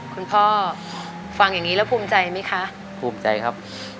คุณพ่อฟังอย่างนี้แล้วภูมิใจไหมคะภูมิใจครับ